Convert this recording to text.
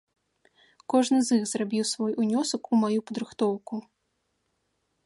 Кожны з іх зрабіў свой унёсак у маю падрыхтоўку!